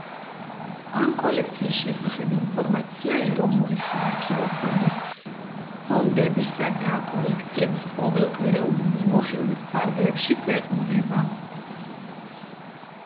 ამ კოლექციის შესახებ ინფორმაცია ეროვნული საარქივო ფონდის ფონდებისა და კოლექციების ყოველკვირეული მიმოხილვის ფარგლებში ქვეყნდება.